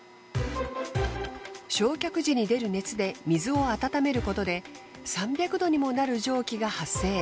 焼却時に出る熱で水を温めることで３００℃にもなる蒸気が発生。